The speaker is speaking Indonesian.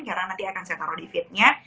karena nanti akan saya taruh di feed nya